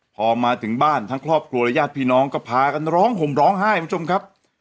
พอมาถึงบ้านทั้งครอบครัวและญาติพี่น้องก็พากันร้องห่มร้องไห้คุณผู้ชมครับ